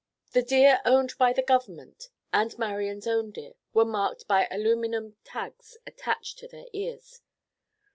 The deer owned by the Government, and Marian's own deer, were marked by aluminum tags attached to their ears.